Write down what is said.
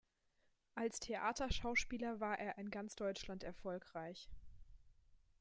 Als Theaterschauspieler war er in ganz Deutschland erfolgreich.